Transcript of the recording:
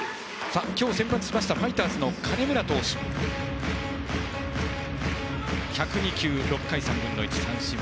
今日、先発したファイターズの金村投手は１０２球、６回３分の１。